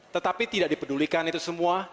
tetapi tidak dipedulikan itu